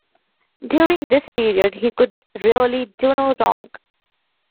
During this period he could really do no wrong.